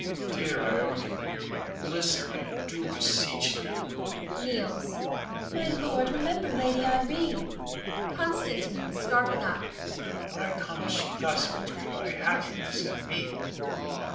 Dear Ione, listen, I do beseech thee! [Kneels.] Ione. My lord, remember Lady Irene. Con. [starting up]. Why comes she thus between my happiness and me?